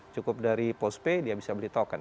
cukup dari postpay dia bisa beli token